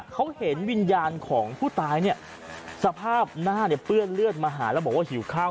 เขาเห็นวิญญาณของผู้ตายเนี่ยสภาพหน้าเนี่ยเปื้อนเลือดมาหาแล้วบอกว่าหิวข้าว